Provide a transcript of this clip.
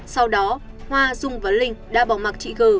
sau đó hoa dung và linh đã bỏ mặc chị gờ